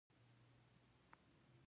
ایا ستاسو نوم نیک دی؟